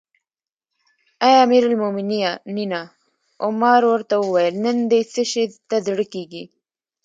اې امیر المؤمنینه! عمر ورته وویل: نن دې څه شي ته زړه کیږي؟